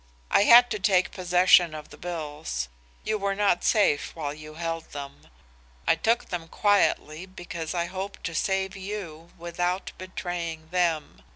I had to take possession of the bills; you were not safe while you held them. I took them quietly because I hoped to save you without betraying them.